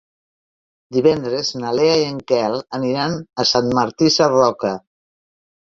Divendres na Lea i en Quel aniran a Sant Martí Sarroca.